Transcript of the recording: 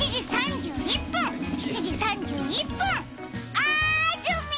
あずみ！